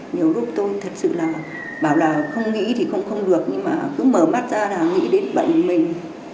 nhiều lúc tôi thật sự là bảo là không nghĩ thì không được nhưng mà cứ mở mắt ra là nghĩ đến bệnh mình